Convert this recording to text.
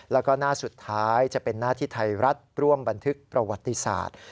แล้วก็หน้าสุดท้ายจะเป็นหน้าที่ไทยรัฐร่วมบันทึกประวัติศาสตร์